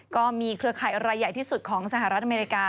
เครือข่ายรายใหญ่ที่สุดของสหรัฐอเมริกา